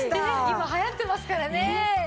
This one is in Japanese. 今流行ってますからね。